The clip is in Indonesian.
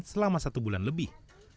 selama satu bulan lebih